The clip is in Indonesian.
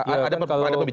ada pembicaraan itu tidak